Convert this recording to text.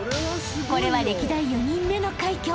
［これは歴代４人目の快挙］